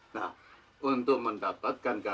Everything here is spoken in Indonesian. nah untuk mendapatkan uang